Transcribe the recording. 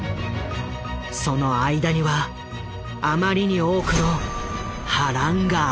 その間にはあまりに多くの波乱があった。